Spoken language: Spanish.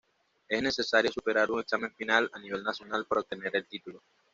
Es necesario superar un examen final a nivel nacional para obtener el título.